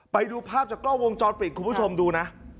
ไปดูภาพจากกล้องวงจรปิดคุณผู้ชมดูนะ